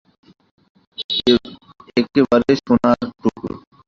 একেবারে সোনার টুকরো।